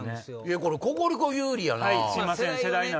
これココリコ有利やな。